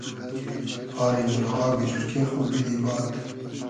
پاری مورغاگی جورکې خو بیدی باد